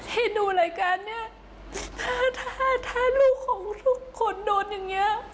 ที่ดูรายการเนี้ยถ้าถ้าลูกของทุกคนโดนอย่างนี้